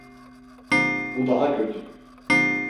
Bu daha kötü.